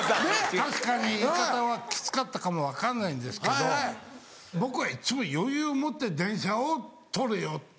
確かに言い方はきつかったかも分かんないんですけど僕はいつも余裕を持って電車を取れよって。